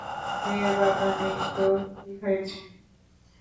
মেয়ের বাবা নেই তো কী হয়েছে?